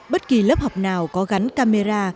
bất kỳ lớp học nào có gắn camera